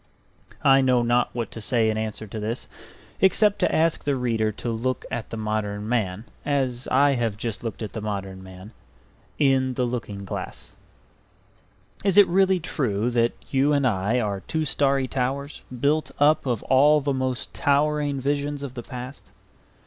I know not what to say in answer to this, except to ask the reader to look at the modern man, as I have just looked at the modern man in the looking glass. Is it really true that you and I are two starry towers built up of all the most towering visions of the past?